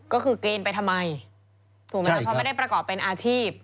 ก็คือเกณฑ์ไปทำไมถูกไหมครับเพราะไม่ได้ประกอบเป็นอาชีพ